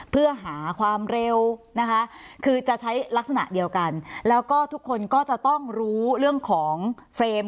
เพื่อหาความเร็วนะคะคือจะใช้ลักษณะเดียวกันแล้วก็ทุกคนก็จะต้องรู้เรื่องของเฟรม